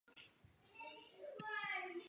一说王叔桓公即是王孙苏。